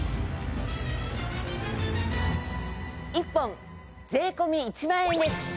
１本税込１万円です！